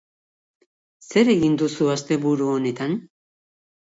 Zer egin duzu asteburu honetan?